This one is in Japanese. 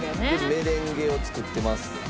メレンゲを作ってます。